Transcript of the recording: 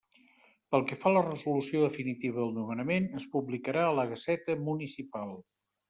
Pel que fa a la resolució definitiva del nomenament, es publicarà a la Gaseta Municipal.